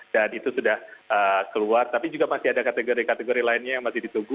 itu sudah keluar tapi juga masih ada kategori kategori lainnya yang masih ditunggu